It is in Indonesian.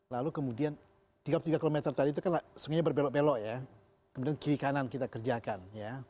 lalu kemudian tiga puluh tiga km tadi itu kan semuanya berbelok belok ya kemudian kiri kanan kita kerjakan ya